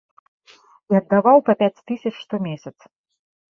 І аддаваў па пяць тысяч штомесяц.